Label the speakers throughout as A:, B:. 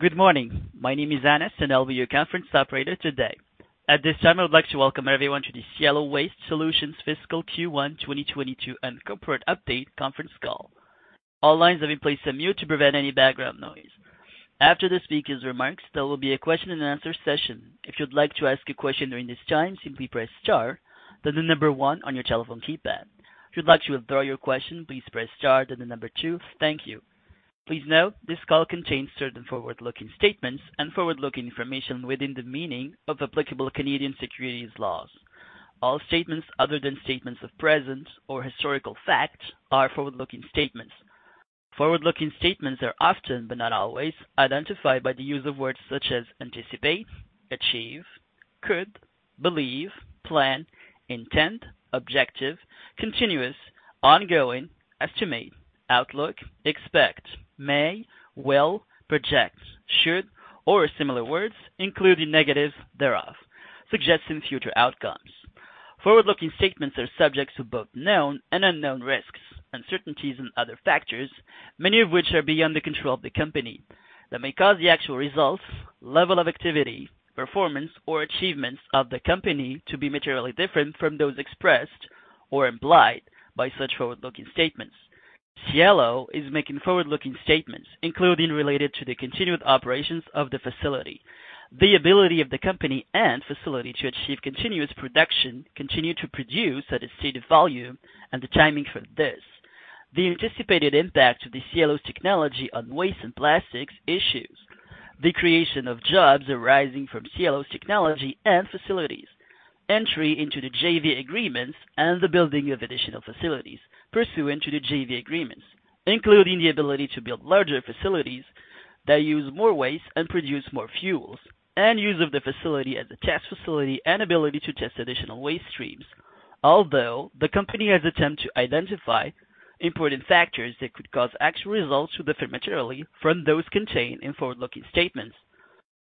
A: Good morning. My name is Anas, and I'll be your conference operator today. At this time, I would like to welcome everyone to the Cielo Waste Solutions Fiscal Q1 2022 and Corporate Update Conference Call. All lines have been placed on mute to prevent any background noise. After the speakers' remarks, there will be a question and answer session. If you'd like to ask a question during this time, simply press star, then the number one on your telephone keypad. If you'd like to withdraw your question, please press star, then the number two. Thank you. Please note, this call contains certain forward-looking statements and forward-looking information within the meaning of applicable Canadian securities laws. All statements other than statements of present or historical fact are forward-looking statements. Forward-looking statements are often, but not always, identified by the use of words such as anticipate, achieve, could, believe, plan, intent, objective, continuous, ongoing, estimate, outlook, expect, may, will, project, should, or similar words, including negative thereof, suggesting future outcomes. Forward-looking statements are subject to both known and unknown risks, uncertainties and other factors, many of which are beyond the control of the company, that may cause the actual results, level of activity, performance or achievements of the company to be materially different from those expressed or implied by such forward-looking statements. Cielo is making forward-looking statements, including related to the continued operations of the facility, the ability of the company and facility to achieve continuous production, continue to produce at a stated volume, and the timing for this, the anticipated impact of Cielo's technology on waste and plastics issues, the creation of jobs arising from Cielo's technology and facilities, entry into the JV agreements and the building of additional facilities pursuant to the JV agreements, including the ability to build larger facilities that use more waste and produce more fuels, and use of the facility as a test facility and ability to test additional waste streams. Although the company has attempted to identify important factors that could cause actual results to differ materially from those contained in forward-looking statements,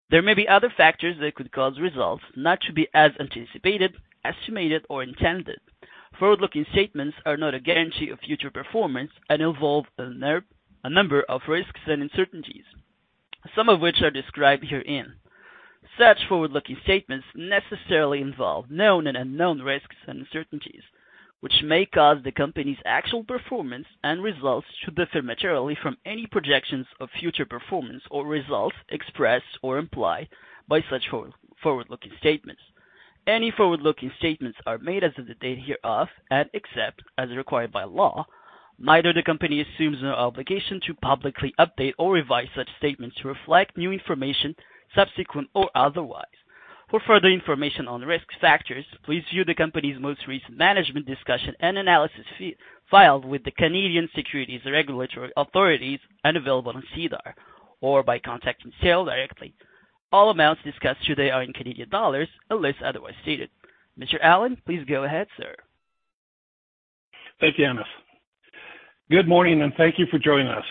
A: there may be other factors that could cause results not to be as anticipated, estimated, or intended. Forward-looking statements are not a guarantee of future performance and involve a number of risks and uncertainties, some of which are described herein. Such forward-looking statements necessarily involve known and unknown risks and uncertainties, which may cause the company's actual performance and results to differ materially from any projections of future performance or results expressed or implied by such forward-looking statements. Any forward-looking statements are made as of the date hereof, and except as required by law, neither the company assumes no obligation to publicly update or revise such statements to reflect new information, subsequent or otherwise. For further information on risk factors, please view the company's most recent management discussion and analysis filed with the Canadian Securities Administrators and available on SEDAR, or by contacting Cielo directly. All amounts discussed today are in Canadian dollars, unless otherwise stated. Mr. Allan, please go ahead, sir.
B: Thank you, Anas. Good morning. Thank you for joining us.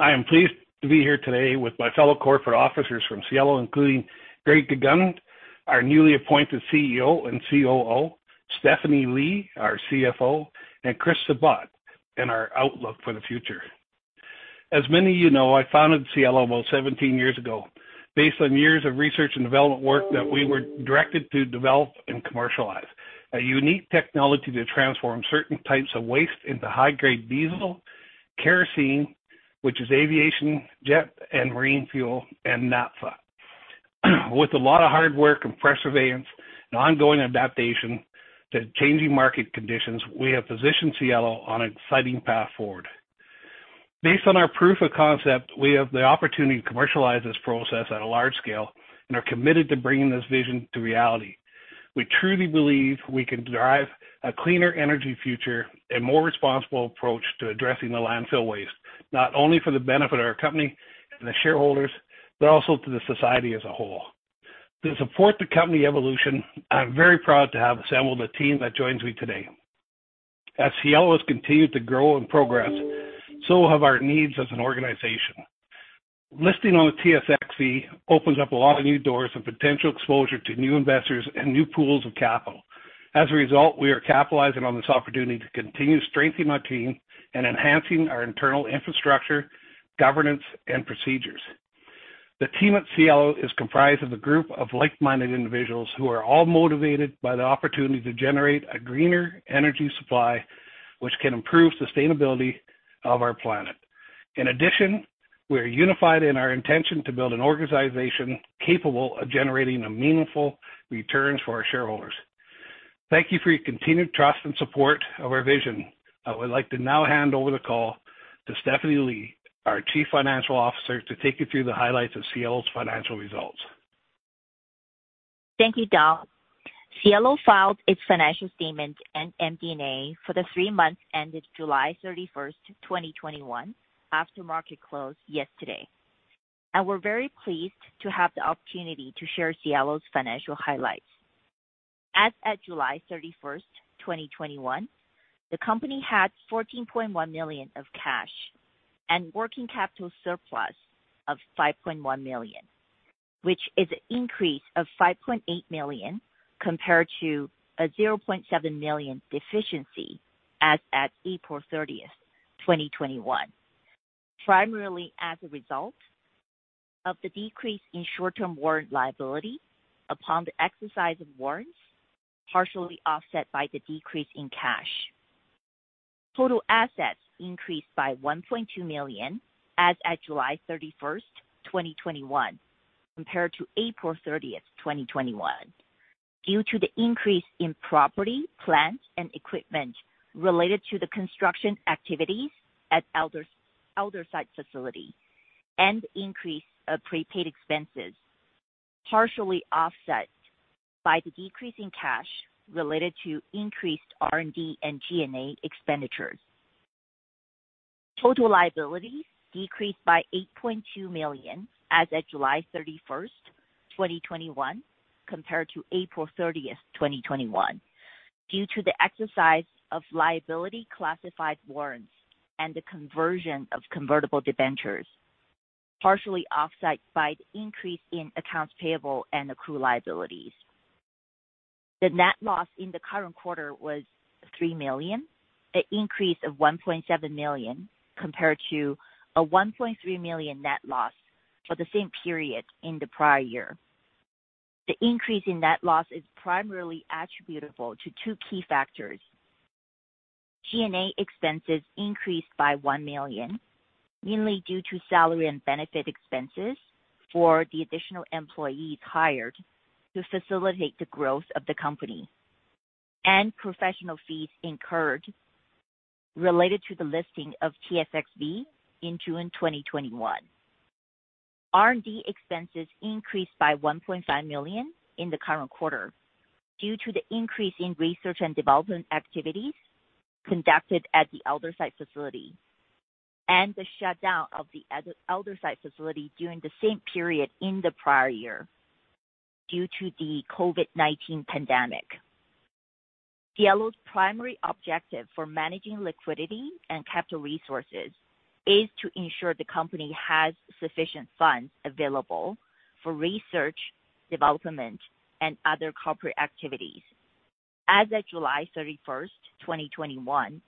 B: I am pleased to be here today with my fellow corporate officers from Cielo, including Gregg Gegunde, our newly appointed CEO and COO, Stephanie Li, our CFO, and Chris Sabat and our outlook for the future. As many of you know, I founded Cielo almost 17 years ago based on years of research and development work that we were directed to develop and commercialize a unique technology to transform certain types of waste into high-grade diesel, kerosene, which is aviation, jet, and marine fuel, and naphtha. With a lot of hard work and perseverance and ongoing adaptation to changing market conditions, we have positioned Cielo on an exciting path forward. Based on our proof of concept, we have the opportunity to commercialize this process at a large scale and are committed to bringing this vision to reality. We truly believe we can drive a cleaner energy future and more responsible approach to addressing the landfill waste, not only for the benefit of our company and the shareholders, but also to the society as a whole. To support the company evolution, I'm very proud to have assembled a team that joins me today. As Cielo has continued to grow and progress, so have our needs as an organization. Listing on the TSXV opens up a lot of new doors and potential exposure to new investors and new pools of capital. As a result, we are capitalizing on this opportunity to continue strengthening our team and enhancing our internal infrastructure, governance, and procedures. The team at Cielo is comprised of a group of like-minded individuals who are all motivated by the opportunity to generate a greener energy supply, which can improve sustainability of our planet. In addition, we are unified in our intention to build an organization capable of generating meaningful returns for our shareholders. Thank you for your continued trust and support of our vision. I would like to now hand over the call to Stephanie Li, our Chief Financial Officer, to take you through the highlights of Cielo's financial results.
C: Thank you, Don. Cielo filed its financial statements and MD&A for the three months ended July 31st, 2021 after market close yesterday. We're very pleased to have the opportunity to share Cielo's financial highlights. As at July 31st, 2021, the company had 14.1 million of cash and working capital surplus of 5.1 million. Which is an increase of 5.8 million compared to a 0.7 million deficiency as at April 30th, 2021. Primarily as a result of the decrease in short-term warrant liability upon the exercise of warrants, partially offset by the decrease in cash. Total assets increased by 1.2 million as at July 31st, 2021, compared to April 30th, 2021, due to the increase in property, plant, and equipment related to the construction activities at Aldersyde facility and the increase of prepaid expenses, partially offset by the decrease in cash related to increased R&D and G&A expenditures. Total liabilities decreased by 8.2 million as at July 31st, 2021, compared to April 30th, 2021, due to the exercise of liability classified warrants and the conversion of convertible debentures, partially offset by the increase in accounts payable and accrued liabilities. The net loss in the current quarter was 3 million, an increase of 1.7 million compared to a 1.3 million net loss for the same period in the prior year. The increase in net loss is primarily attributable to two key factors. G&A expenses increased by 1 million, mainly due to salary and benefit expenses for the additional employees hired to facilitate the growth of the company and professional fees incurred related to the listing of TSXV in June 2021. R&D expenses increased by 1.5 million in the current quarter due to the increase in research and development activities conducted at the Aldersyde facility and the shutdown of the Aldersyde facility during the same period in the prior year, due to the COVID-19 pandemic. Cielo's primary objective for managing liquidity and capital resources is to ensure the company has sufficient funds available for research, development, and other corporate activities. As at July 31st, 2021,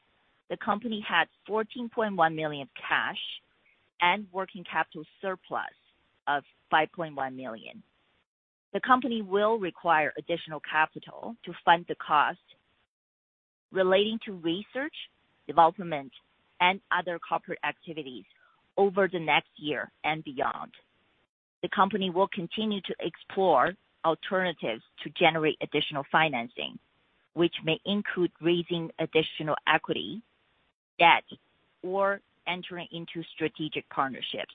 C: the company had 14.1 million cash and working capital surplus of 5.1 million. The company will require additional capital to fund the cost relating to research, development, and other corporate activities over the next year and beyond. The company will continue to explore alternatives to generate additional financing, which may include raising additional equity debt or entering into strategic partnerships.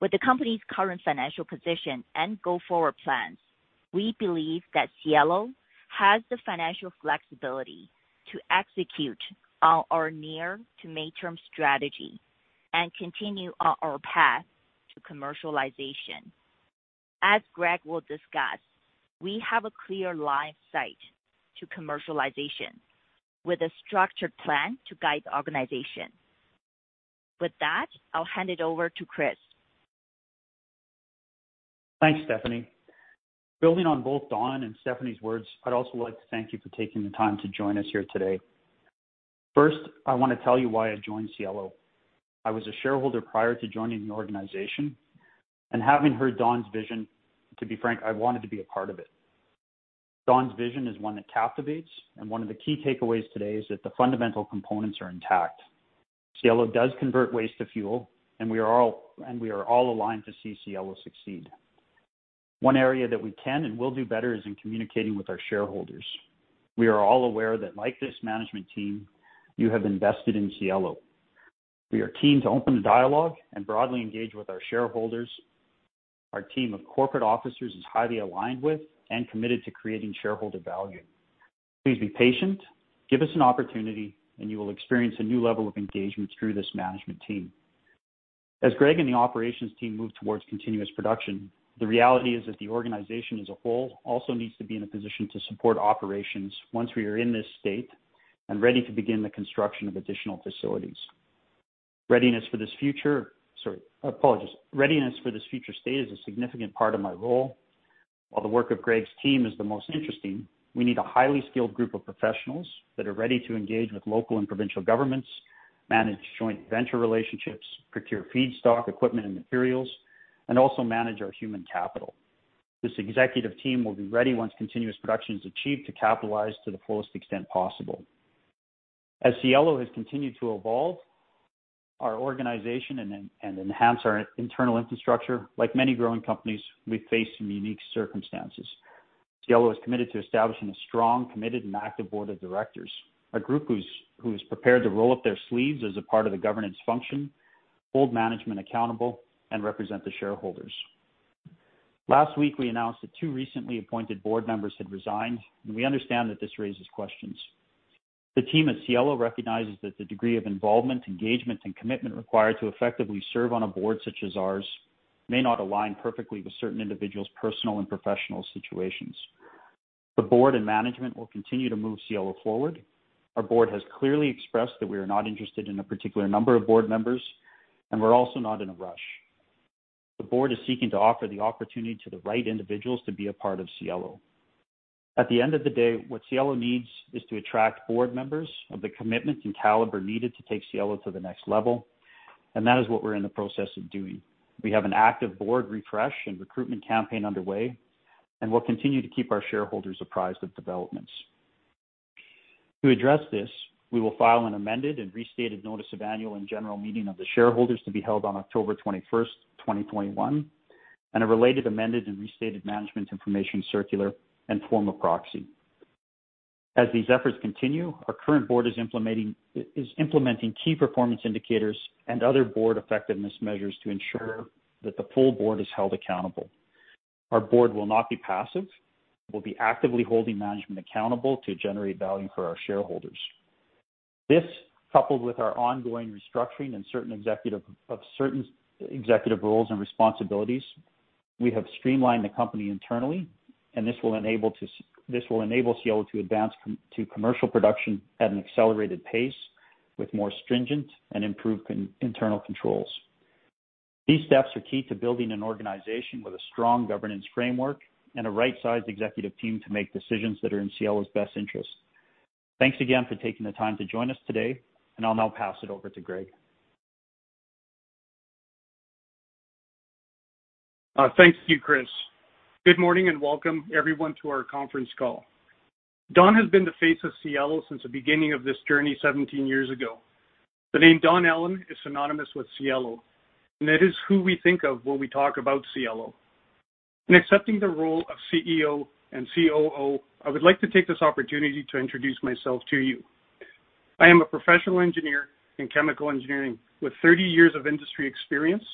C: With the company's current financial position and go-forward plans, we believe that Cielo has the financial flexibility to execute on our near to mid-term strategy and continue on our path to commercialization. As Gregg will discuss, we have a clear line of sight to commercialization with a structured plan to guide the organization. With that, I'll hand it over to Chris.
D: Thanks, Stephanie. Building on both Don and Stephanie's words, I'd also like to thank you for taking the time to join us here today. First, I want to tell you why I joined Cielo. I was a shareholder prior to joining the organization, and having heard Don's vision, to be frank, I wanted to be a part of it. Don's vision is one that captivates, and one of the key takeaways today is that the fundamental components are intact. Cielo does convert waste to fuel, and we are all aligned to see Cielo succeed. One area that we can and will do better is in communicating with our shareholders. We are all aware that like this management team, you have invested in Cielo. We are keen to open the dialogue and broadly engage with our shareholders. Our team of corporate officers is highly aligned with and committed to creating shareholder value. Please be patient, give us an opportunity, and you will experience a new level of engagement through this management team. As Greg and the operations team move towards continuous production, the reality is that the organization as a whole also needs to be in a position to support operations once we are in this state and ready to begin the construction of additional facilities. Sorry, apologies. Readiness for this future state is a significant part of my role. While the work of Greg's team is the most interesting, we need a highly skilled group of professionals that are ready to engage with local and provincial governments, manage joint venture relationships, procure feedstock, equipment, and materials, and also manage our human capital. This executive team will be ready once continuous production is achieved to capitalize to the fullest extent possible. As Cielo has continued to evolve our organization and enhance our internal infrastructure, like many growing companies, we face some unique circumstances. Cielo is committed to establishing a strong, committed, and active board of directors, a group who's prepared to roll up their sleeves as a part of the governance function, hold management accountable, and represent the shareholders. Last week, we announced that two recently appointed board members had resigned, and we understand that this raises questions. The team at Cielo recognizes that the degree of involvement, engagement, and commitment required to effectively serve on a board such as ours may not align perfectly with certain individuals' personal and professional situations. The board and management will continue to move Cielo forward. Our board has clearly expressed that we are not interested in a particular number of board members, and we're also not in a rush. The board is seeking to offer the opportunity to the right individuals to be a part of Cielo. At the end of the day, what Cielo needs is to attract board members of the commitment and caliber needed to take Cielo to the next level, and that is what we're in the process of doing. We have an active board refresh and recruitment campaign underway, and we'll continue to keep our shareholders apprised of developments. To address this, we will file an amended and restated notice of annual and general meeting of the shareholders to be held on October 21st, 2021, and a related, amended, and restated management information circular and form of proxy. As these efforts continue, our current board is implementing key performance indicators and other board effectiveness measures to ensure that the full board is held accountable. Our board will not be passive. We'll be actively holding management accountable to generate value for our shareholders. This, coupled with our ongoing restructuring of certain executive roles and responsibilities, we have streamlined the company internally, and this will enable Cielo to advance to commercial production at an accelerated pace with more stringent and improved internal controls. These steps are key to building an organization with a strong governance framework and a right-sized executive team to make decisions that are in Cielo's best interest. Thanks again for taking the time to join us today, and I'll now pass it over to Greg.
E: Thanks to you, Chris. Good morning and welcome everyone to our conference call. Don has been the face of Cielo since the beginning of this journey 17 years ago. The name Don Allan is synonymous with Cielo, and that is who we think of when we talk about Cielo. In accepting the role of CEO and COO, I would like to take this opportunity to introduce myself to you. I am a professional engineer in chemical engineering with 30 years of industry experience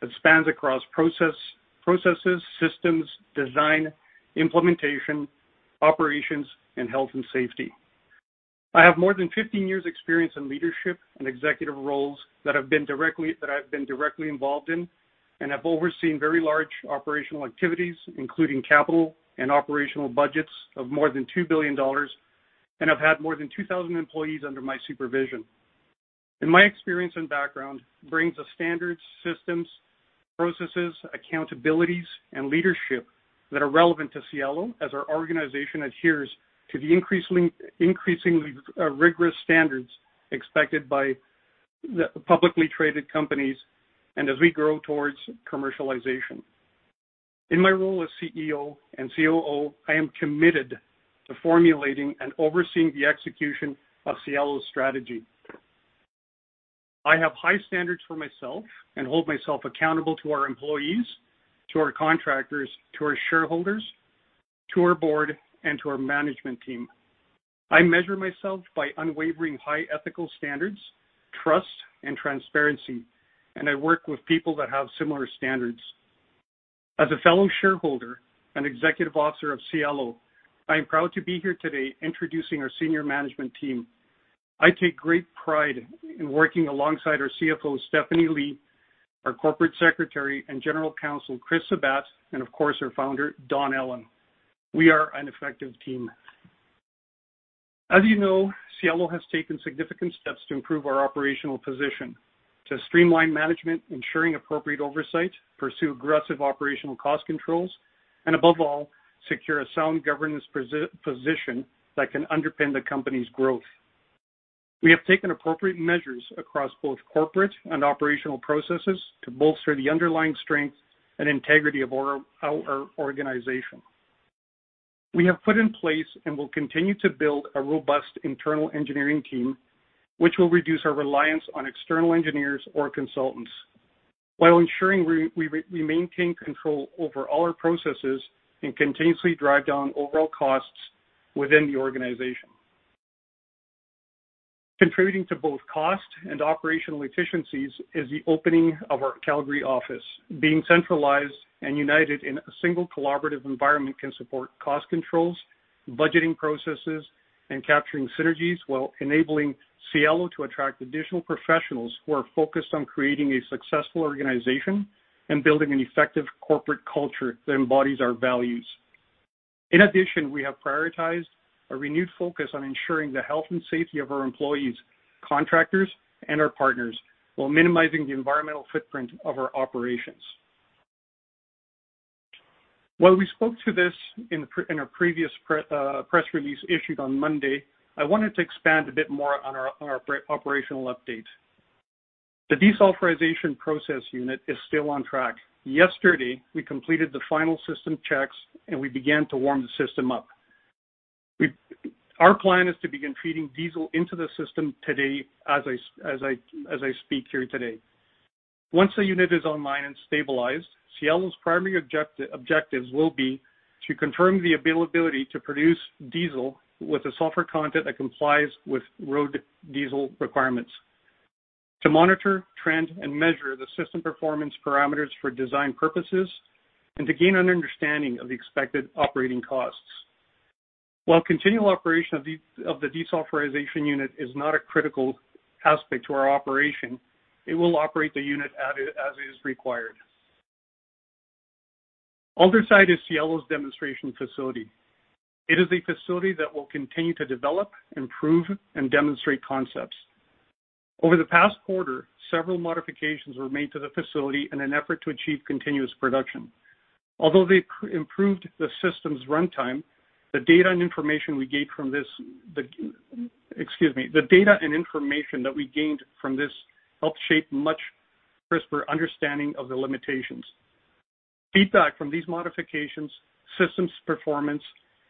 E: that spans across processes, systems, design, implementation, operations, and health and safety. I have more than 15 years experience in leadership and executive roles that I've been directly involved in and have overseen very large operational activities, including capital and operational budgets of more than 2 billion dollars and have had more than 2,000 employees under my supervision. In my experience and background brings a standards, systems, processes, accountabilities, and leadership that are relevant to Cielo as our organization adheres to the increasingly rigorous standards expected by publicly traded companies and as we grow towards commercialization. In my role as CEO and COO, I am committed to formulating and overseeing the execution of Cielo's strategy. I have high standards for myself and hold myself accountable to our employees, to our contractors, to our shareholders, to our board, and to our management team. I measure myself by unwavering high ethical standards, trust, and transparency, and I work with people that have similar standards. As a fellow shareholder and executive officer of Cielo, I am proud to be here today introducing our senior management team. I take great pride in working alongside our CFO, Stephanie Li, our Corporate Secretary and General Councel, Chris Sabat, and of course, our Founder, Don Allan. We are an effective team. As you know, Cielo has taken significant steps to improve our operational position, to streamline management, ensuring appropriate oversight, pursue aggressive operational cost controls, and above all, secure a sound governance position that can underpin the company's growth. We have taken appropriate measures across both corporate and operational processes to bolster the underlying strength and integrity of our organization. We have put in place and will continue to build a robust internal engineering team, which will reduce our reliance on external engineers or consultants while ensuring we maintain control over all our processes and continuously drive down overall costs within the organization. Contributing to both cost and operational efficiencies is the opening of our Calgary office. Being centralized and united in a single collaborative environment can support cost controls, budgeting processes, and capturing synergies while enabling Cielo to attract additional professionals who are focused on creating a successful organization and building an effective corporate culture that embodies our values. In addition, we have prioritized a renewed focus on ensuring the health and safety of our employees, contractors, and our partners while minimizing the environmental footprint of our operations. While we spoke to this in our previous press release issued on Monday, I wanted to expand a bit more on our operational update. The desulfurization process unit is still on track. Yesterday, we completed the final system checks, and we began to warm the system up. Our plan is to begin feeding diesel into the system today as I speak to you today. Once the unit is online and stabilized, Cielo's primary objectives will be to confirm the availability to produce diesel with a sulfur content that complies with road diesel requirements, to monitor, trend, and measure the system performance parameters for design purposes, and to gain an understanding of the expected operating costs. While continual operation of the desulfurization unit is not a critical aspect to our operation, it will operate the unit as is required. Aldersyde is Cielo's demonstration facility. It is a facility that will continue to develop, improve, and demonstrate concepts. Over the past quarter, several modifications were made to the facility in an effort to achieve continuous production. Although they improved the system's runtime, the data and information that we gained from this helped shape much crisper understanding of the limitations. Feedback from these modifications, systems performance,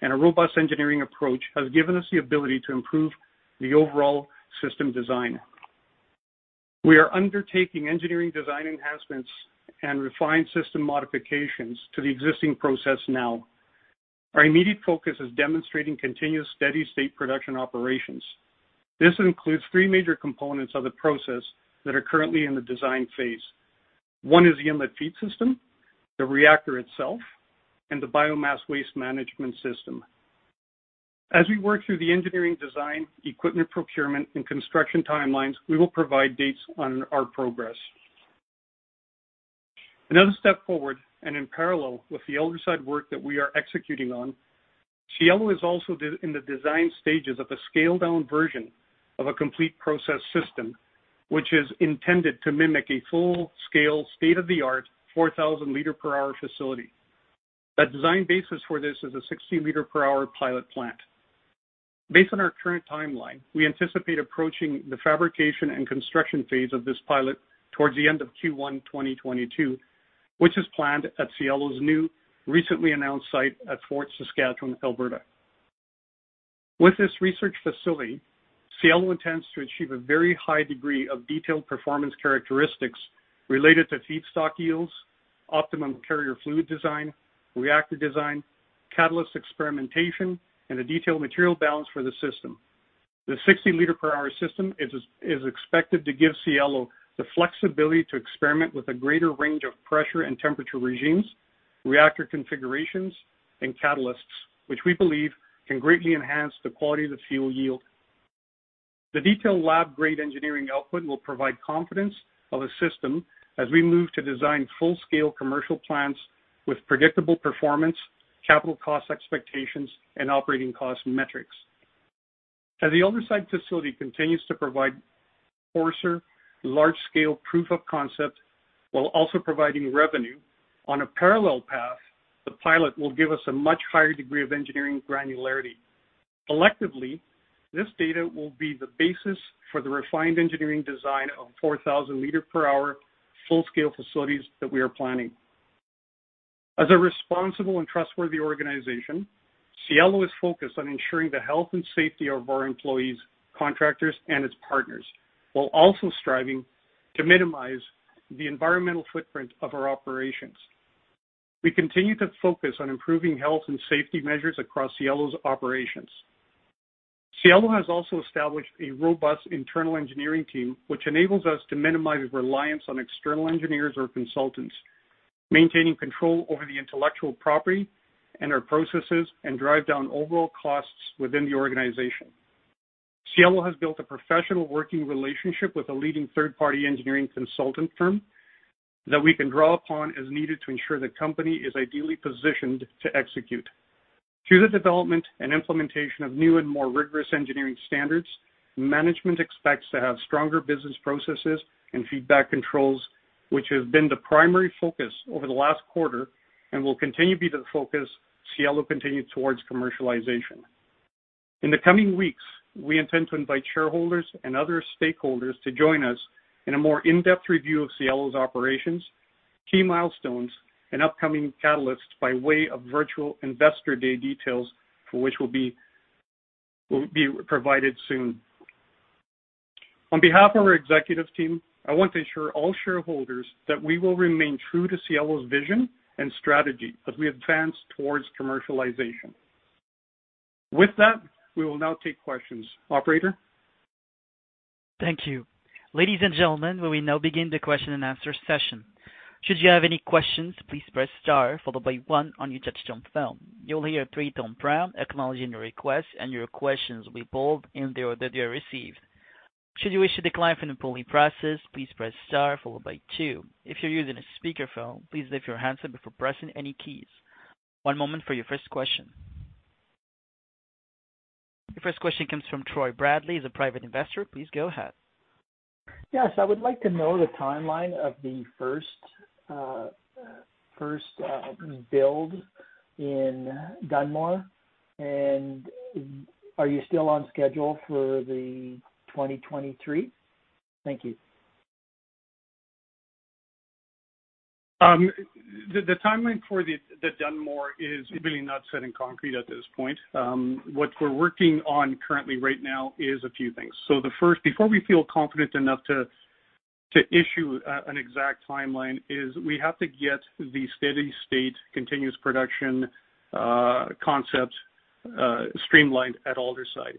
E: and a robust engineering approach has given us the ability to improve the overall system design. We are undertaking engineering design enhancements and refined system modifications to the existing process now. Our immediate focus is demonstrating continuous steady-state production operations. This includes three major components of the process that are currently in the design phase. One is the inlet feed system, the reactor itself, and the biomass waste management system. As we work through the engineering design, equipment procurement, and construction timelines, we will provide dates on our progress. Another step forward, and in parallel with the Aldersyde work that we are executing on, Cielo is also in the design stages of a scaled-down version of a complete process system, which is intended to mimic a full-scale, state-of-the-art 4,000 L per hour facility. The design basis for this is a 60-liter-per-hour pilot plant. Based on our current timeline, we anticipate approaching the fabrication and construction phase of this pilot towards the end of Q1 2022, which is planned at Cielo's new recently announced site at Fort Saskatchewan, Alberta. With this research facility, Cielo intends to achieve a very high degree of detailed performance characteristics related to feedstock yields, optimum carrier fluid design, reactor design, catalyst experimentation, and a detailed material balance for the system. The 60-liter-per-hour system is expected to give Cielo the flexibility to experiment with a greater range of pressure and temperature regimes, reactor configurations, and catalysts, which we believe can greatly enhance the quality of the fuel yield. The detailed lab-grade engineering output will provide confidence of a system as we move to design full-scale commercial plants with predictable performance, capital cost expectations, and operating cost metrics. As the Aldersyde facility continues to provide coarser, large-scale proof of concept while also providing revenue on a parallel path, the pilot will give us a much higher degree of engineering granularity. Collectively, this data will be the basis for the refined engineering design of 4,000-liter-per-hour full-scale facilities that we are planning. As a responsible and trustworthy organization, Cielo is focused on ensuring the health and safety of our employees, contractors, and its partners, while also striving to minimize the environmental footprint of our operations. We continue to focus on improving health and safety measures across Cielo's operations. Cielo has also established a robust internal engineering team, which enables us to minimize reliance on external engineers or consultants, maintaining control over the intellectual property and our processes, and drive down overall costs within the organization. Cielo has built a professional working relationship with a leading third-party engineering consultant firm that we can draw upon as needed to ensure the company is ideally positioned to execute. Through the development and implementation of new and more rigorous engineering standards, management expects to have stronger business processes and feedback controls, which have been the primary focus over the last quarter and will continue to be the focus as Cielo continues towards commercialization. In the coming weeks, we intend to invite shareholders and other stakeholders to join us in a more in-depth review of Cielo's operations, key milestones, and upcoming catalysts by way of virtual investor day details, for which will be provided soon. On behalf of our executive team, I want to assure all shareholders that we will remain true to Cielo's vision and strategy as we advance towards commercialization. With that, we will now take questions. Operator?
A: Thank you. Ladies and gentlemen, we will now begin the question and answer session. Should you have any questions, please press star followed by one on your touchtone phone. You will hear a three-tone prompt acknowledging your request, and your questions will be pulled in the order they are received. Should you wish to decline from the polling process, please press star followed by two. If you're using a speakerphone, please lift your handset before pressing any keys. One moment for your first question. Your first question comes from [Troy Bradley], he's a private investor. Please go ahead.
F: Yes, I would like to know the timeline of the first build in Dunmore. And are you still on schedule for the 2023? Thank you.
E: The timeline for the Dunmore is really not set in concrete at this point. What we're working on currently right now is a few things. So the first, before we feel confident enough to issue an exact timeline, is we have to get the steady state continuous production concept streamlined at Aldersyde.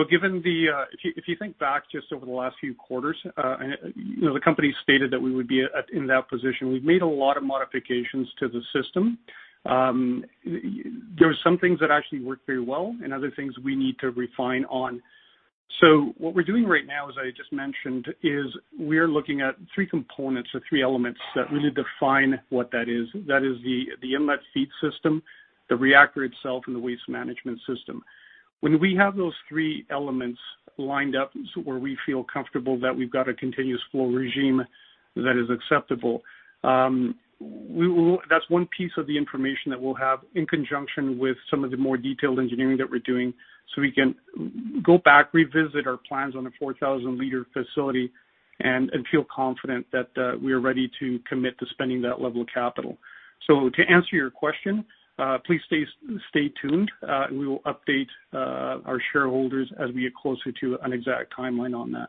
E: If you think back just over the last few quarters, you know, the company stated that we would be in that position. We've made a lot of modifications to the system. There are some things that actually work very well and other things we need to refine on. So what we're doing right now, as I just mentioned, is we're looking at three components or three elements that really define what that is. That is the inlet feed system, the reactor itself, and the waste management system. When we have those three elements lined up where we feel comfortable that we've got a continuous flow regime that is acceptable, that's one piece of the information that we'll have in conjunction with some of the more detailed engineering that we're doing so we can go back, revisit our plans on a 4,000 L facility, and feel confident that we are ready to commit to spending that level of capital. To answer your question, please stay tuned. We will update our shareholders as we get closer to an exact timeline on that.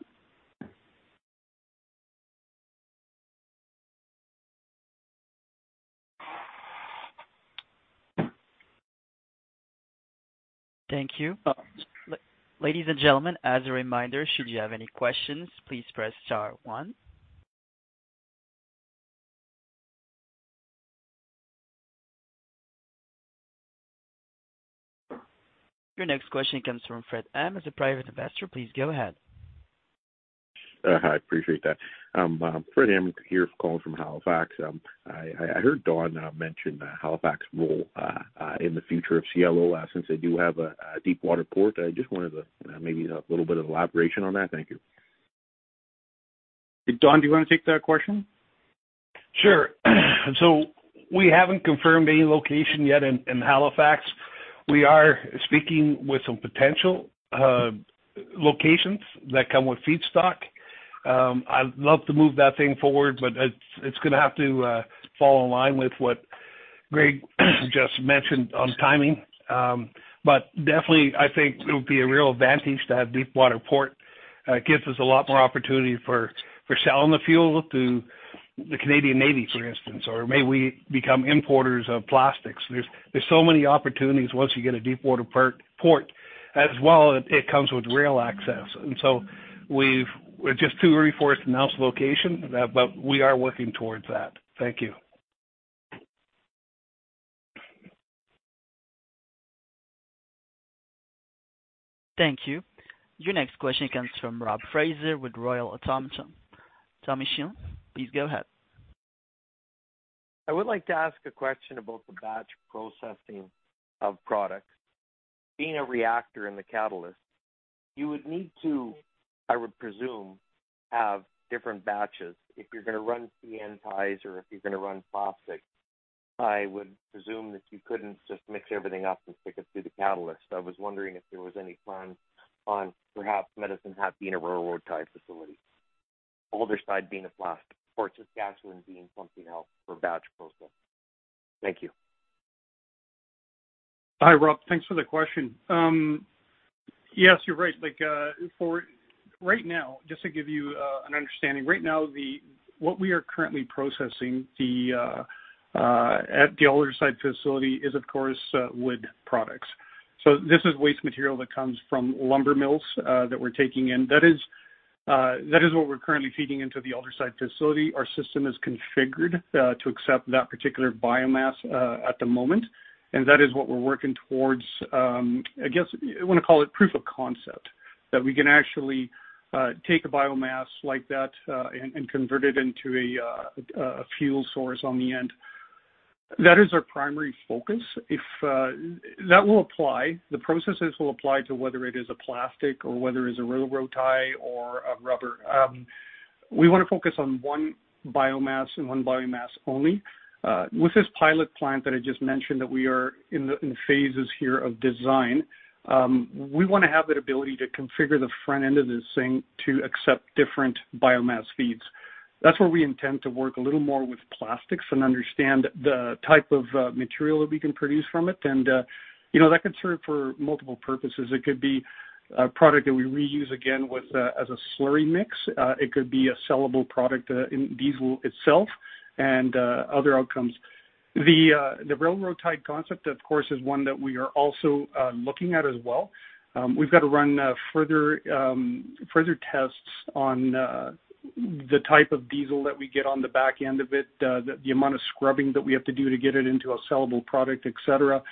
A: Thank you. Ladies and gentlemen, as a reminder, should you have any questions, please press star one. Your next question comes from Fred M] as a private investor, please go ahead.
G: Hi, I appreciate that. [Fred M] here, calling from Halifax. I heard Don mention Halifax's role in the future of Cielo. Since they do have a deepwater port, I just wanted to maybe have a little bit of elaboration on that. Thank you.
E: Don, do you want to take that question?
B: Sure. We haven't confirmed any location yet in Halifax. We are speaking with some potential locations that come with feedstock. I'd love to move that thing forward, but it's going to have to fall in line with what Greg just mentioned on timing. Definitely, I think it'll be a real advantage to have deepwater port. It gives us a lot more opportunity for selling the fuel to the Canadian Navy, for instance, or may we become importers of plastics. There's so many opportunities once you get a deepwater port. As well, it comes with rail access. We're just too early for us to announce location, but we are working towards that. Thank you.
A: Thank you. Your next question comes from [Rob Fraser] with Royal Automation. Please go ahead.
H: I would like to ask a question about the batch processing of products. Being a reactor in the catalyst, you would need to, I would presume, have different batches if you're going to run railway ties or if you're going to run plastic. I would presume that you couldn't just mix everything up and stick it through the catalyst. I was wondering if there was any plans on perhaps Medicine Hat being a railroad tie facility, Aldersyde being a plastic, Port Simpson gasoline being something else for batch processing. Thank you.
E: Hi, Rob. Thanks for the question. Yes, you're right. Just to give you an understanding, right now, what we are currently processing at the Aldersyde facility is, of course, wood products. So, this is waste material that comes from lumber mills that we're taking in. That is what we're currently feeding into the Aldersyde facility. Our system is configured to accept that particular biomass at the moment, and that is what we're working towards, I guess, I want to call it proof of concept, that we can actually take a biomass like that and convert it into a fuel source on the end. That is our primary focus. The processes will apply to whether it is a plastic or whether it's a railroad tie or a rubber. We want to focus on one biomass and one biomass only. With this pilot plant that I just mentioned, that we are in phases here of design, we want to have that ability to configure the front end of this thing to accept different biomass feeds. That's where we intend to work a little more with plastics and understand the type of material that we can produce from it, and, you know, that could serve for multiple purposes. It could be a product that we reuse again as a slurry mix. It could be a sellable product in diesel itself and other outcomes. The railroad tie concept, of course, is one that we are also looking at as well. We've got to run further tests on the type of diesel that we get on the back end of it, the amount of scrubbing that we have to do to get it into a sellable product, et cetera.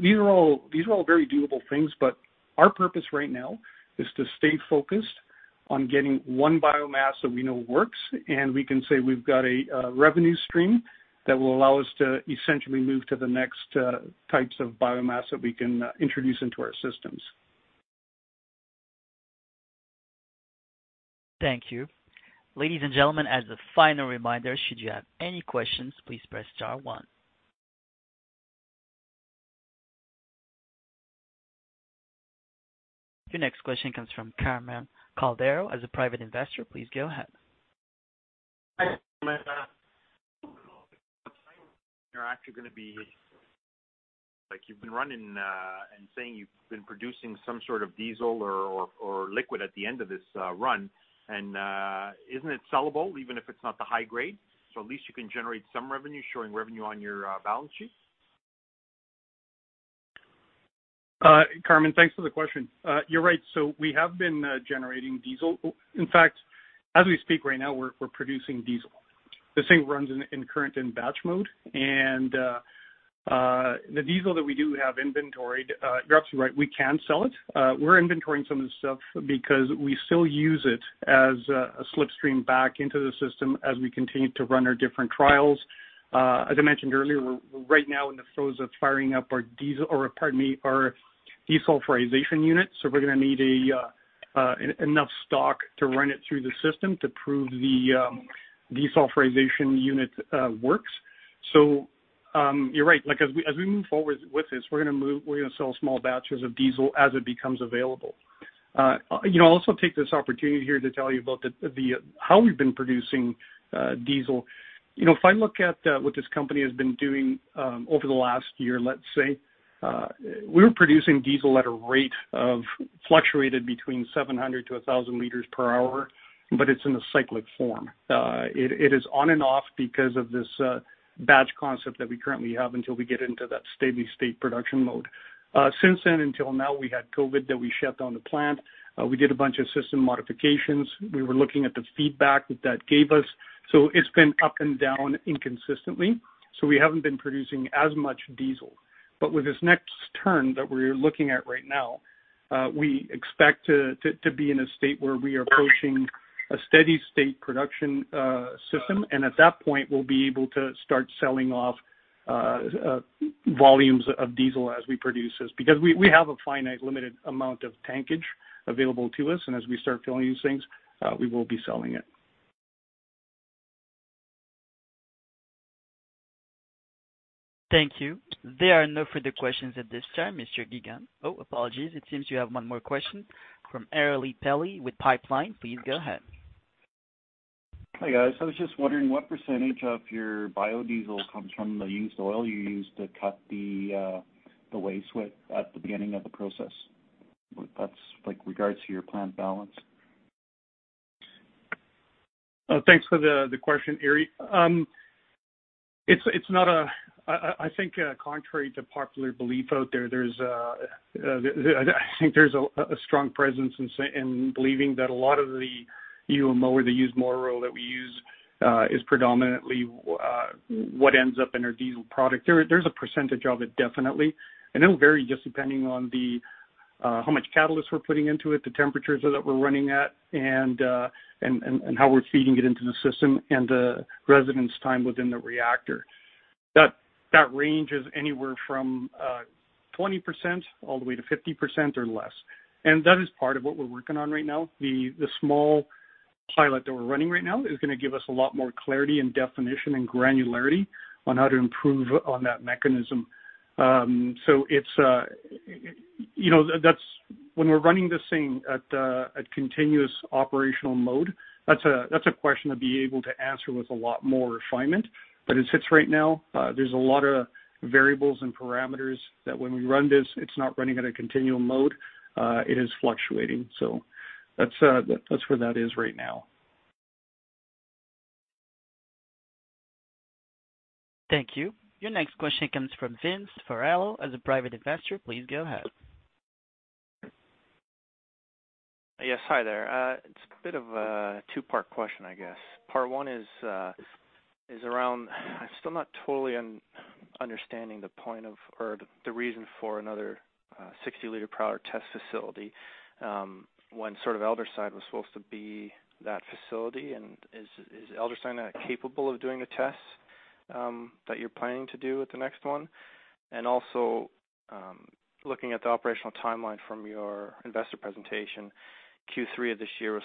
E: These are all very doable things, but our purpose right now is to stay focused on getting one biomass that we know works, and we can say we've got a revenue stream that will allow us to essentially move to the next types of biomass that we can introduce into our systems.
A: Thank you. Ladies and gentlemen, as a final reminder, should you have any questions, please press star one. Your next question comes from [Carmen Caldero] as a private investor, please go ahead.
I: Hi. Like, you've been running and saying you've been producing some sort of diesel or liquid at the end of this run. Isn't it sellable even if it's not the high grade? At least you can generate some revenue, showing revenue on your balance sheet.
E: Carmen, thanks for the question. You're right. We have been generating diesel. In fact, as we speak right now, we're producing diesel. This thing runs in current in batch mode. The diesel that we do have inventoried, you're absolutely right, we can sell it. We're inventorying some of the stuff because we still use it as a slipstream back into the system as we continue to run our different trials. As I mentioned earlier, we're right now in the throes of firing up our desulfurization unit, so we're going to need enough stock to run it through the system to prove the desulfurization unit works. You're right. As we move forward with this, we're going to sell small batches of diesel as it becomes available, you know. I'll also take this opportunity here to tell you about how we've been producing diesel. You know, if I look at what this company has been doing over the last year, let's say, we were producing diesel at a rate of, fluctuated between 700 to 1,000 L per hour, but it's in a cyclic form. It is on and off because of this batch concept that we currently have until we get into that steady state production mode. Since then until now, we had COVID that we shut down the plant. We did a bunch of system modifications. We were looking at the feedback that gave us. So it's been up and down inconsistently. We haven't been producing as much diesel. With this next turn that we're looking at right now, we expect to be in a state where we are approaching a steady state production system. At that point, we'll be able to start selling off volumes of diesel as we produce this. We have a finite limited amount of tankage available to us, and as we start filling these things, we will be selling it.
A: Thank you. There are no further questions at this time, Mr. Gegunde. Oh, apologies. It seems you have one more question from [Ari Peli] with Pipeline. Please go ahead.
J: Hi, guys. I was just wondering what percentage of your biodiesel comes from the used oil you use to cut the waste with at the beginning of the process? That's regards to your plant balance.
E: Thanks for the question, [Ari]. I think contrary to popular belief out there, I think there's a strong presence in believing that a lot of the UMO or the used motor oil that we use is predominantly what ends up in our diesel product. There's a percentage of it, definitely. It'll vary just depending on how much catalyst we're putting into it, the temperatures that we're running at, and how we're feeding it into the system, and the residence time within the reactor. That range is anywhere from 20% all the way to 50% or less. That is part of what we're working on right now. The small pilot that we're running right now is going to give us a lot more clarity and definition and granularity on how to improve on that mechanism. You know, when we're running this thing at continuous operational mode, that's a question I'll be able to answer with a lot more refinement. As it sits right now, there's a lot of variables and parameters that when we run this, it's not running at a continuum mode. It is fluctuating. So that's where that is right now.
A: Thank you. Your next question comes from [Vince Ferrello] as a private investor. Please go ahead.
K: Yes, hi there. It's a bit of a two-part question, I guess. Part one is around, I'm still not totally understanding the point of or the reason for another 60-liter-per-hour test facility, when sort of Aldersyde was supposed to be that facility. Is Aldersyde not capable of doing the tests that you're planning to do at the next one? And also, looking at the operational timeline from your investor presentation, Q3 of this year was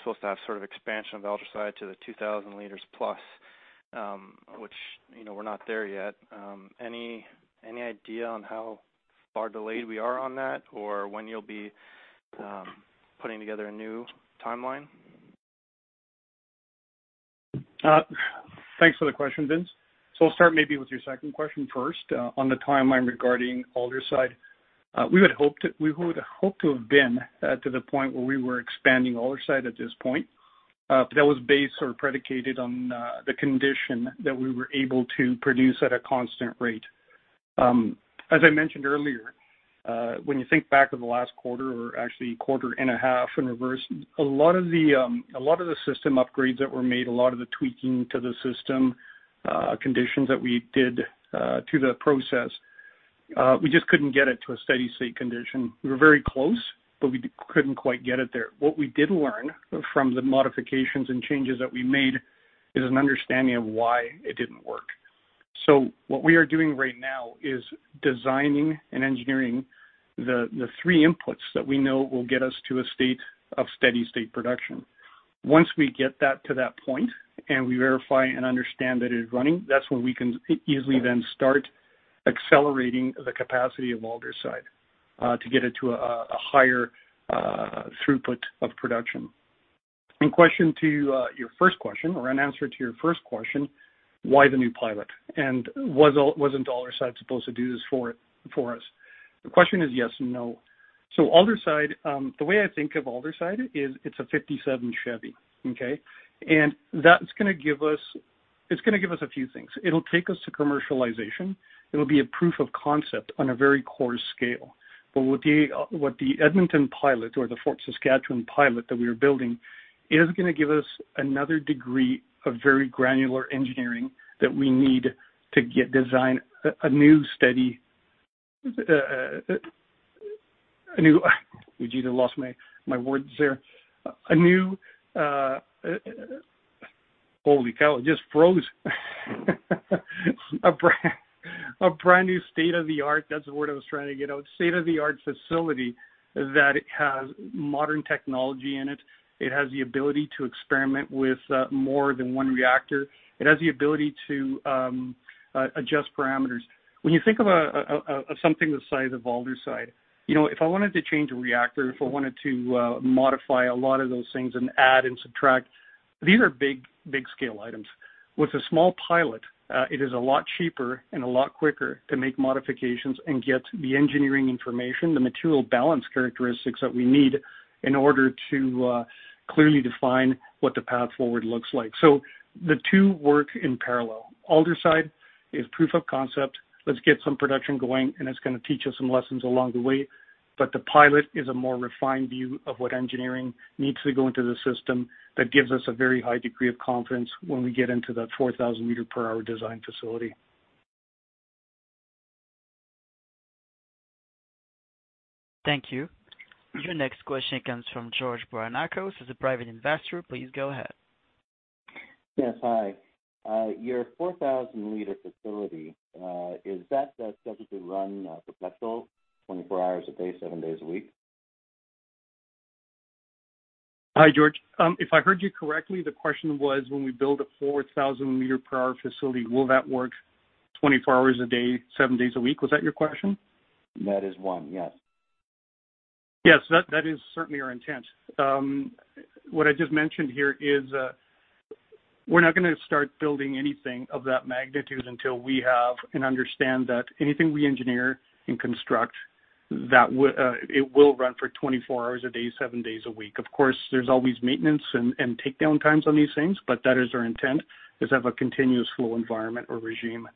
K: supposed to have sort of expansion of Aldersyde to the 2,000+ L, which we're not there yet. Any idea on how far delayed we are on that, or when you'll be putting together a new timeline?
E: Thanks for the question, [Vince]. So I'll start maybe with your second question first, on the timeline regarding Aldersyde. We would hope to have been to the point where we were expanding Aldersyde at this point. That was based or predicated on the condition that we were able to produce at a constant rate. As I mentioned earlier, when you think back to the last quarter or actually quarter and a half in reverse, a lot of the system upgrades that were made, a lot of the tweaking to the system, conditions that we did to the process, we just couldn't get it to a steady state condition. We were very close, but we couldn't quite get it there. What we did learn from the modifications and changes that we made is an understanding of why it didn't work. So, what we are doing right now is designing and engineering the three inputs that we know will get us to a state of steady state production. Once we get that to that point and we verify and understand that it is running, that's when we can easily then start accelerating the capacity of Aldersyde to get it to a higher throughput of production. Question to your first question or an answer to your first question, why the new pilot? And wasn't Aldersyde supposed to do this for us? The question is yes and no. Aldersyde, the way I think of Aldersyde is it's a 57 Chevy, okay? That's going to give us a few things. It'll take us to commercialization. It'll be a proof of concept on a very coarse scale. What the Edmonton pilot or the Fort Saskatchewan pilot that we are building is going to give us another degree of very granular engineering that we need to design a new steady I nearly lost my words there. Holy cow, it just froze. A brand new state-of-the-art, that's the word I was trying to get out, state-of-the-art facility that has modern technology in it. It has the ability to experiment with more than one reactor. It has the ability to adjust parameters. When you think of something the size of Aldersyde, you know, if I wanted to change a reactor, if I wanted to modify a lot of those things and add and subtract, these are big scale items. With a small pilot, it is a lot cheaper and a lot quicker to make modifications and get the engineering information, the material balance characteristics that we need in order to clearly define what the path forward looks like. The two work in parallel. Aldersyde is proof of concept. Let's get some production going, and it's going to teach us some lessons along the way. The pilot is a more refined view of what engineering needs to go into the system. That gives us a very high degree of confidence when we get into that 4,000 L per hour design facility.
A: Thank you. Your next question comes from [George Brannacos] as a private investor. Please go ahead.
L: Yes. Hi. Your 4,000 L facility, is that scheduled to run perpetual 24 hours a day, seven days a week?
E: Hi, George. If I heard you correctly, the question was, when we build a 4,000 L per hour facility, will that work 24 hours a day, seven days a week? Was that your question?
L: That is one. Yes.
E: Yes. That is certainly our intent. What I just mentioned here is we're not going to start building anything of that magnitude until we have and understand that anything we engineer and construct, it will run for 24 hours a day, seven days a week. Of course, there's always maintenance and takedown times on these things, that is our intent, is have a continuous flow environment or regime.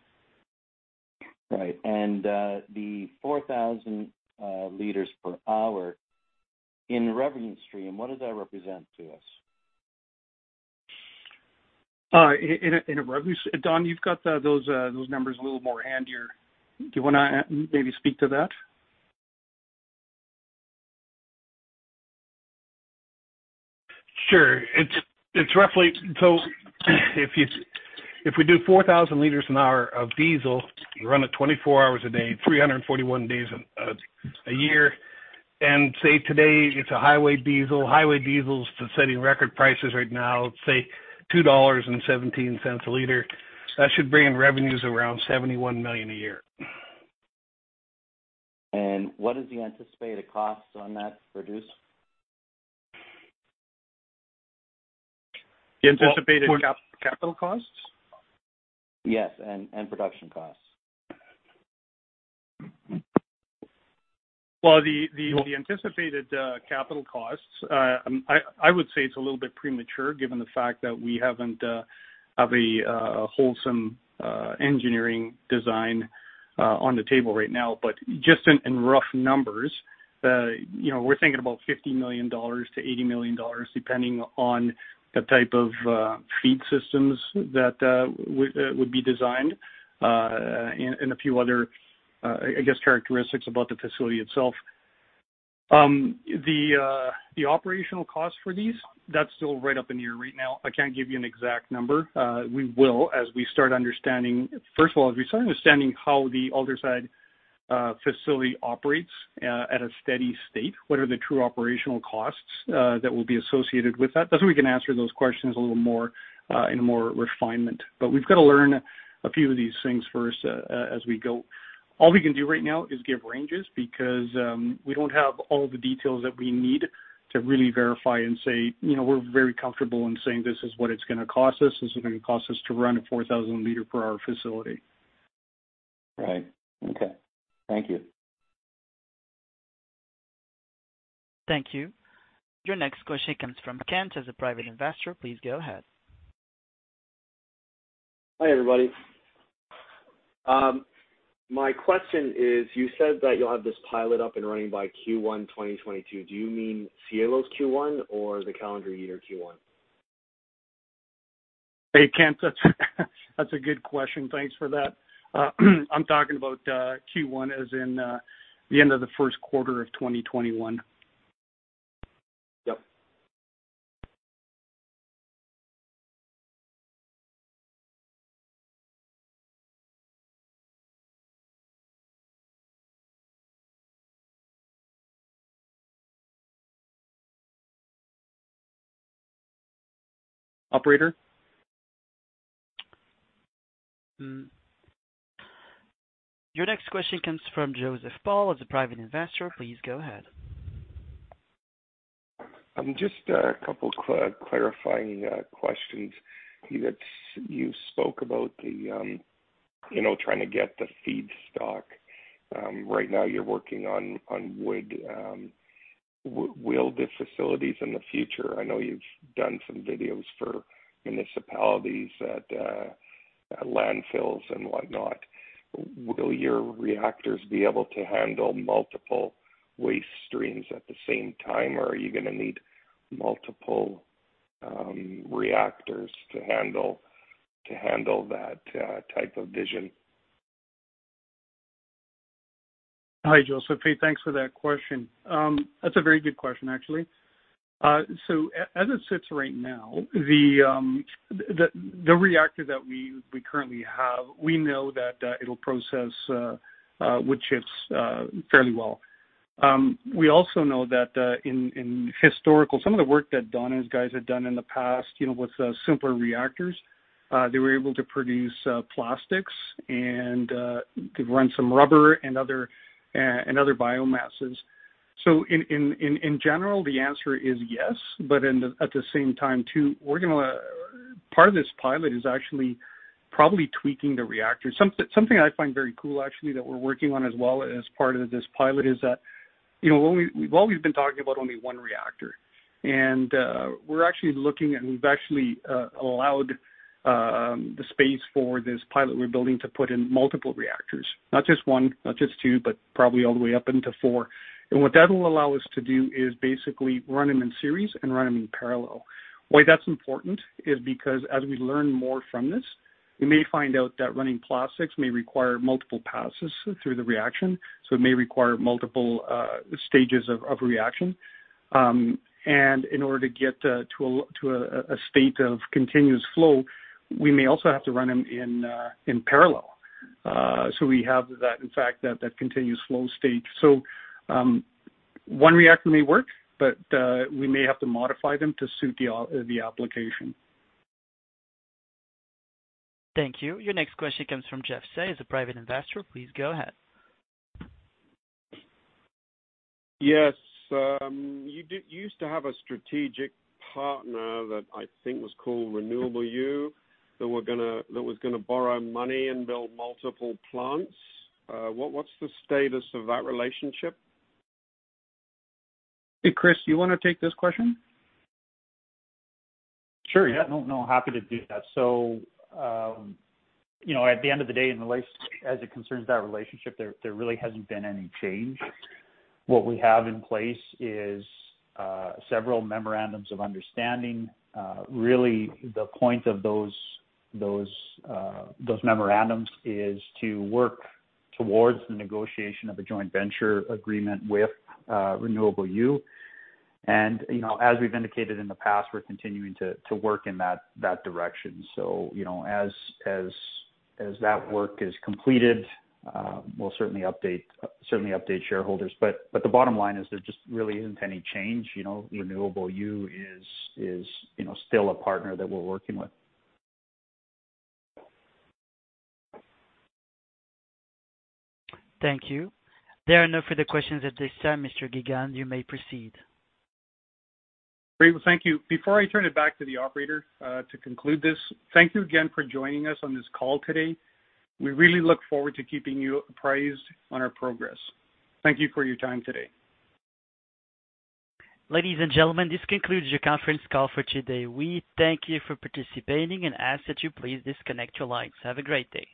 L: Right. The 4,000 L per hour, in revenue stream, what does that represent to us?
E: Don, you've got those numbers a little more handier. Do you want to maybe speak to that?
B: Sure. If we do 4,000 L an hour of diesel, run it 24 hours a day, 341 days a year, say today it's a highway diesel. Highway diesel's setting record prices right now. Say 2.17 dollars a liter. That should bring in revenues around 71 million a year.
L: What is the anticipated cost on that to produce?
B: The anticipated capital costs?
L: Yes, and production costs.
B: The anticipated capital costs, I would say it's a little bit premature given the fact that we haven't have a wholesome engineering design on the table right now. Just in rough numbers, you know, we're thinking about 50 million-80 million dollars, depending on the type of feed systems that would be designed, and a few other, I guess, characteristics about the facility itself. The operational cost for these, that's still right up in the air right now. I can't give you an exact number. We will, first of all, as we start understanding how the Aldersyde facility operates at a steady state, what are the true operational costs that will be associated with that? That's when we can answer those questions in more refinement. We've got to learn a few of these things first as we go. All we can do right now is give ranges, because we don't have all the details that we need to really verify and say, we're very comfortable in saying this is what it's going to cost us. This is what it costs us to run a 4,000 L per hour facility.
L: Right. Okay. Thank you.
A: Thank you. Your next question comes from [Kent] as a private investor, please go ahead.
M: Hi, everybody. My question is, you said that you'll have this pilot up and running by Q1 2022. Do you mean Cielo's Q1 or the calendar year Q1?
E: Hey, Kent. That's a good question. Thanks for that. I'm talking about Q1 as in the end of the first quarter of 2021.
M: Yep.
E: Operator?
A: Your next question comes from [Joseph Paul] as a private investor. Please go ahead.
N: Just a couple clarifying questions. You spoke about trying to get the feedstock. Right now you're working on wood. Will the facilities in the future, I know you've done some videos for municipalities at landfills and whatnot, will your reactors be able to handle multiple waste streams at the same time, or are you going to need multiple reactors to handle that type of vision?
E: Hi, [Joseph]. Hey, thanks for that question. That's a very good question, actually. So as it sits right now, the reactor that we currently have, we know that it'll process wood chips fairly well. We also know that in historical, some of the work that Don's guys had done in the past with simpler reactors, they were able to produce plastics and could run some rubber and other biomasses. In general, the answer is yes, but at the same time, too, part of this pilot is actually probably tweaking the reactor. Something I find very cool, actually, that we're working on as well as part of this pilot is that we've always been talking about only one reactor. We're actually looking and we've actually allowed the space for this pilot we're building to put in multiple reactors. Not just one, not just two, but probably all the way up into four. What that will allow us to do is basically run them in series and run them in parallel. Why that's important is because as we learn more from this, we may find out that running plastics may require multiple passes through the reaction. It may require multiple stages of reaction. In order to get to a state of continuous flow, we may also have to run them in parallel. We have that, in fact, that continuous flow state. So, one reactor may work, but we may have to modify them to suit the application.
A: Thank you. Your next question comes from [Jeff Say] he's a private investor. Please go ahead.
O: Yes. You used to have a strategic partner that I think was called Renewable U, that was going to borrow money and build multiple plants. What's the status of that relationship?
E: Hey, Chris, you want to take this question?
D: Sure, yeah. No, happy to do that. At the end of the day, as it concerns that relationship, there really hasn't been any change. What we have in place is several memorandums of understanding. Really the point of those memorandums is to work towards the negotiation of a joint venture agreement with Renewable U. And, you know, as we've indicated in the past, we're continuing to work in that direction. So, you know, as that work is completed, we'll certainly update shareholders. But the bottom line is there just really isn't any change, you know. Renewable U is still a partner that we're working with.
A: Thank you. There are no further questions at this time, Mr. Gegunde. You may proceed.
E: Great. Well, thank you. Before I turn it back to the operator to conclude this, thank you again for joining us on this call today. We really look forward to keeping you apprised on our progress. Thank you for your time today.
A: Ladies and gentlemen, this concludes your conference call for today. We thank you for participating and ask that you please disconnect your lines. Have a great day.